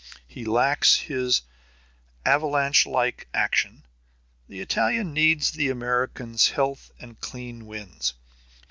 He lacks his avalanche like action. The Italian needs the American's health and clean winds.